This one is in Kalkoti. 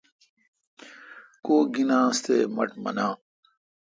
کوگینانس تے مٹھ مناں۔